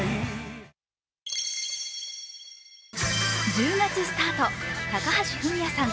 １０月スタート、高橋文哉さん